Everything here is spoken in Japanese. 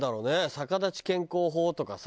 逆立ち健康法とかさ。